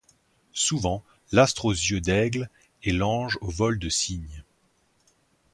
Souvent l’astre aux yeux d’aigle et l’ange au vol de cygne